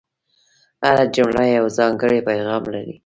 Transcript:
هره جمله یو ځانګړی پیغام لري.